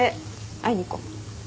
会いに行こ。